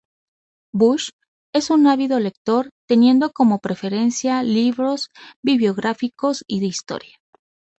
Bush es un ávido lector, teniendo como preferencia libros biográficos y de historia.